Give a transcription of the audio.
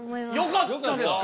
よかったですか。